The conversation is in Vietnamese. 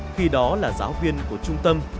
khi đó là giáo viên của trung tâm